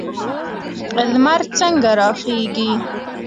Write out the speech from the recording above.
لمر څنګه راخیږي؟